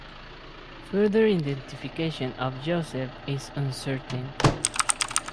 Further identification of Joseph is uncertain.